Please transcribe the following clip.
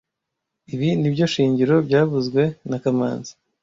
Ibi nibyo shingiro byavuzwe na kamanzi